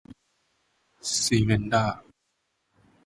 He translated several Shakespearean plays into Sinhala language.